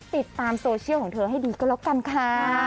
ติดตามโซเชียลของเธอให้ดีก็แล้วกันค่ะ